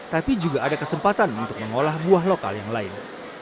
tapi juga ada kesempatan untuk mengolah buah lokal yang lain